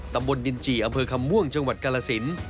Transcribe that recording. ตำบลดินจีอำเภอคำม่วงจังหวัดกาลสิน